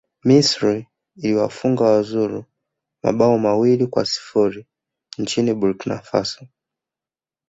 misri iliwafunga wazulu mabao mawili kwa sifuri nchini burkina faso